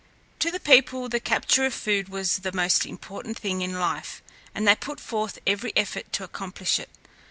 To the people the capture of food was the most important thing in life, and they put forth every effort to accomplish it.